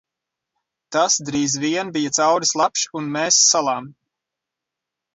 Tas drīz vien bija cauri slapjš un mēs salām.